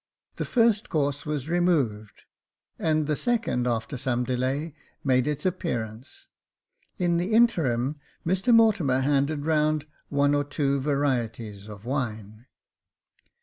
The first course was removed j and the second, after some delay, made its appearance. In the interim, Mr Mortimer handed round one or two varieties of wine.